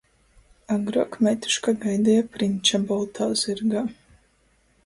Agruok meituška gaideja priņča boltā zyrgā.